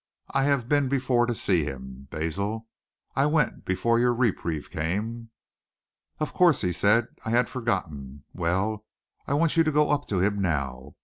"I have been before to see him, Basil. I went before your reprieve came." "Of course," he said. "I had forgotten. Well, I want you to go up to him now.